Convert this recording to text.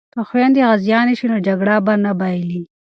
که خویندې غازیانې شي نو جګړه به نه بایلي.